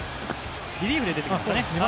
リリーフで出てきましたね。